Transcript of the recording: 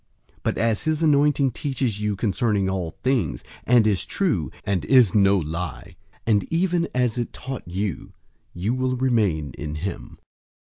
But as his anointing teaches you concerning all things, and is true, and is no lie, and even as it taught you, you will remain in him.